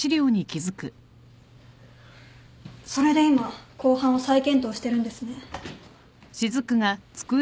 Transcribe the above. それで今公判を再検討してるんですね。